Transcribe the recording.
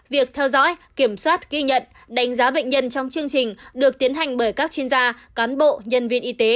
việc theo dõi kiểm soát ghi nhận đánh giá bệnh nhân trong chương trình được tiến hành bởi các chuyên gia cán bộ nhân viên y tế